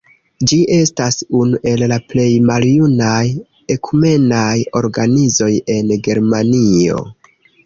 Ĝi estas unu el la plej maljunaj ekumenaj organizoj en Germanio.